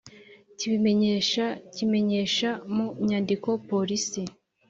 kibimenyesha kimenyesha mu nyandiko Polisi